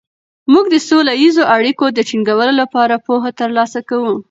موږ د سوله ییزو اړیکو د ټینګولو لپاره پوهه ترلاسه کوو.